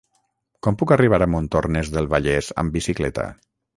Com puc arribar a Montornès del Vallès amb bicicleta?